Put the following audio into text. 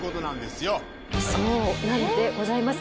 そうなのでございます。